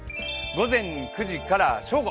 午前９時から正午。